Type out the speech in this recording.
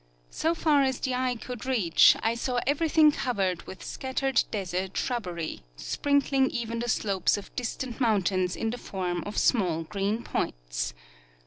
So far as the eye could reach, I saw everything covered with scattered desert shrubbery, sprinkling even the sloj^es of distant mountains in the form of small green points.